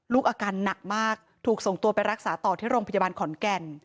อาการหนักมากถูกส่งตัวไปรักษาต่อที่โรงพยาบาลขอนแก่น